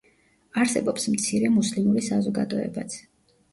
არსებობს მცირე მუსლიმური საზოგადოებაც.